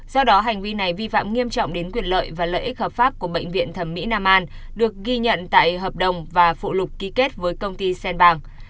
do đó hành vi này vi phạm nghiêm trọng đến quyền lợi và lợi ích hợp pháp của bệnh viện thẩm mỹ nam an được ghi nhận tại hợp đồng và phụ lục ký kết với công ty sen bàng